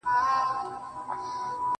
له هغه وخته مو خوښي ليدلې غم نه راځي.